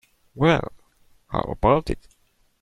Well, how about it?